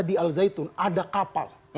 di al zaitun ada kapal